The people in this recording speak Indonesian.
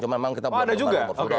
oh ada juga